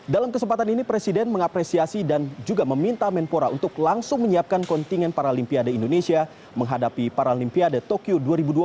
dalam kesempatan ini presiden mengapresiasi dan juga meminta menpora untuk langsung menyiapkan kontingen paralimpiade indonesia menghadapi paralimpiade tokyo dua ribu dua puluh